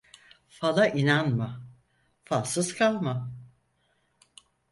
Fala inanma, falsız kalma.